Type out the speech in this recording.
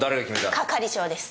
係長です。